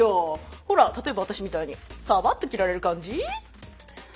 ほら例えば私みたいにサバっと着られる感じ？